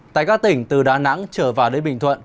tại các tỉnh từ đà nẵng trở vào đến bình thuận